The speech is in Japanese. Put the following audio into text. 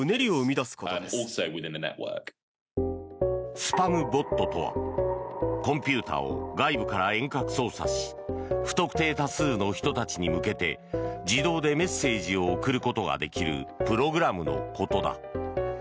スパムボットとはコンピューターを外部から遠隔操作し不特定多数の人たちに向けて自動でメッセージを送ることができるプログラムのことだ。